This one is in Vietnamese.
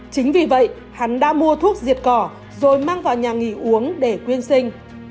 chính vì vậy hắn đã mua thuốc diệt cỏ rồi mang vào nhà nghỉ uống để quyên sinh